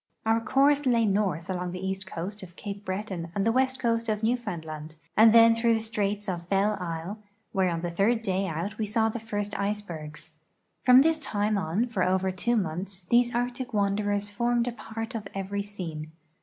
Our course lay north along the east coast of Ca})e Breton and the west coast of Newfoundland, and then through the straits of Belle Isle, where on the third day out we saw the first icebergs. From this time on for over two months these Arctic w^anderers formed a part of every scene.